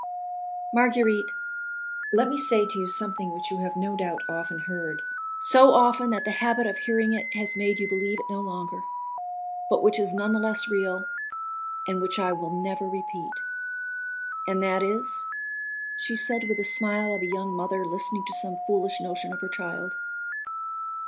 "Marguerite, let me say to you something which you have no doubt often heard, so often that the habit of hearing it has made you believe it no longer, but which is none the less real, and which I will never repeat." "And that is...?" she said, with the smile of a young mother listening to some foolish notion of her child.